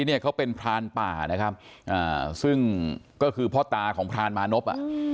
เนี่ยเขาเป็นพรานป่านะครับซึ่งก็คือพ่อตาของพรานมานพ